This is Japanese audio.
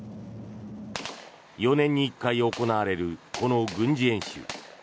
４年に１回行われるこの軍事演習。